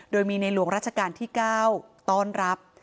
โดยมีในหลวงราชการที่๙ต้อนรับ